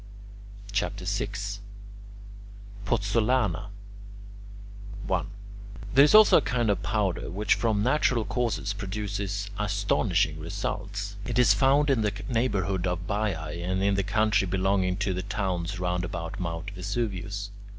CHAPTER VI POZZOLANA 1. There is also a kind of powder which from natural causes produces astonishing results. It is found in the neighbourhood of Baiae and in the country belonging to the towns round about Mt. Vesuvius.